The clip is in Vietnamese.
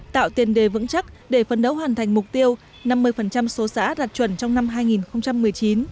tạo tiền đề vững chắc để phân đấu hoàn thành mục tiêu năm mươi số xã đạt chuẩn trong năm hai nghìn một mươi chín